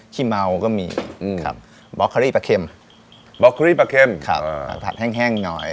ขี้เมาก็มีบรอกเคอรี่ปลาเข็มเผาเพาะแพร่งแห้งหน่อย